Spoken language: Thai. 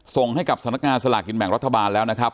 ส่งให้กับสำนักงานสลากกินแบ่งรัฐบาลแล้วนะครับ